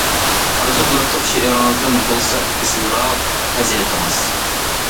ئارزۇ قىلاتتۇق شېئىرىڭىزدىن، بولسا ئېسىلراق پەزىلىتىڭىز.